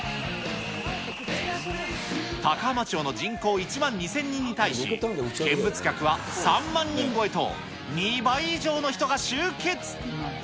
高浜町の人口１万２０００人に対し、見物客は３万人超えと、２倍以上の人が集結。